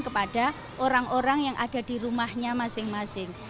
kepada orang orang yang ada di rumahnya masing masing